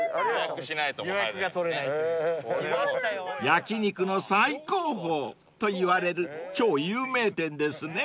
［焼き肉の最高峰といわれる超有名店ですね］